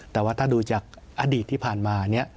แต่ว่าถ้าดูจากอดีตที่ผ่านมาเนี่ย